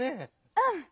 うん！